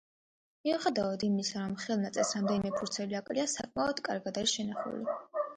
მიუხედავად იმისა, რომ ხელნაწერს რამდენიმე ფურცელი აკლია, საკმაოდ კარგად არის შენახული.